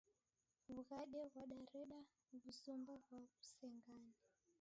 W'ughade ghwadareda w'uzumba gwa ghuseng'ane!